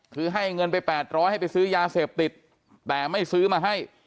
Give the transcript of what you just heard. คือให้เงินไป๘๐๐ให้ไปซื้อยาเสพติดแต่ไม่ซื้อมาให้